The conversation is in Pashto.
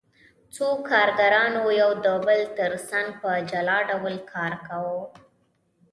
څو کارګرانو یو د بل ترڅنګ په جلا ډول کار کاوه